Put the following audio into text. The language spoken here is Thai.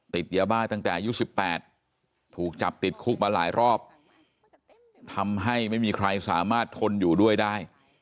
ติดยาบ้าตั้งแต่อายุ๑๘ถูกจับติดคุกมาหลายรอบทำให้ไม่มีใครสามารถทนอยู่ด้วยได้